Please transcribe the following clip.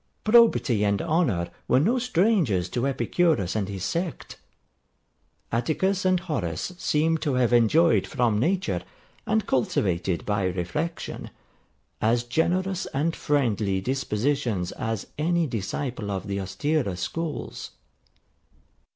Probity and honour were no strangers to Epicurus and his sect. Atticus and Horace seem to have enjoyed from nature, and cultivated by reflection, as generous and friendly dispositions as any disciple of the austerer schools.